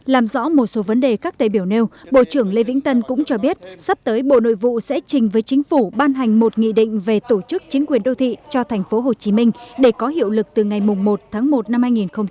làm rõ một số vấn đề các đại biểu nêu bộ trưởng lê vĩnh tân cũng cho biết sắp tới bộ nội vụ sẽ trình với chính phủ ban hành một nghị định về tổ chức chính quyền đô thị cho tp hcm để có hiệu lực từ ngày một tháng một năm hai nghìn hai mươi